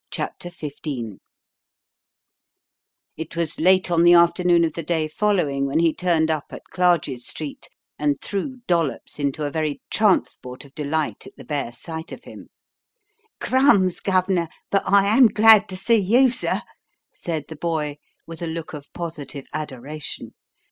CHAPTER XV It was late on the afternoon of the day following when he turned up at Clarges Street and threw Dollops into a very transport of delight at the bare sight of him. "Crumbs, Gov'nor, but I am glad to see you, sir!" said the boy, with a look of positive adoration.